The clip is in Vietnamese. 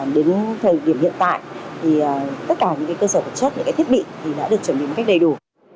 đến thời điểm hiện tại tất cả những cơ sở vật chất thiết bị đã được chuẩn bị đầy đủ